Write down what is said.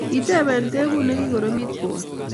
Kitebe tebut nikikoromit kowol